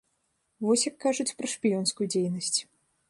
Вось як кажуць пра шпіёнскую дзейнасць.